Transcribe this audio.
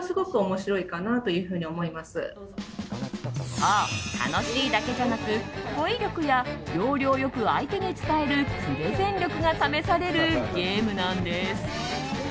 そう、楽しいだけじゃなく語彙力や要領良く相手に伝えるプレゼン力が試されるゲームなんです。